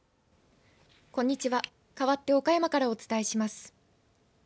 こんにちはかわって岡山からお伝えします。